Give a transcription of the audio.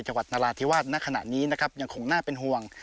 จังหวัดนราธิวาสณขณะนี้นะครับยังคงน่าเป็นห่วง